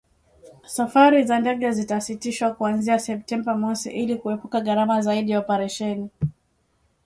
Safari za ndege zitasitishwa kuanzia Septemba mosi ili kuepuka gharama zaidi za operesheni